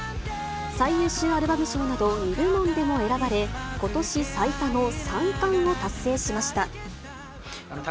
最優秀アルバム賞など２部門でも選ばれ、ことし最多の３冠を達成しました。